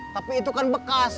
tapi itu kan bekas